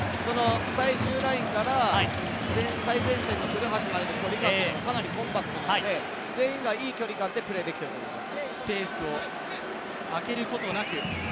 最終ラインから最前線の古橋あたりがかなりコンパクトなので全員がいい距離感でプレーできていると思います。